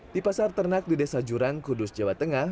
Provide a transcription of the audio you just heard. di pasar ternak di desa jurang kudus jawa tengah